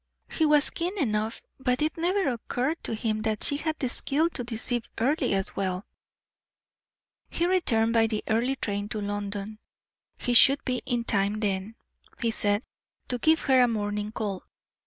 He was keen enough, but it never occurred to him that she had the skill to deceive Earle as well. He returned by the early train to London; he should be in time then, he said, to give her a morning call.